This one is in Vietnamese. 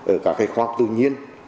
ở các khoa học tự nhiên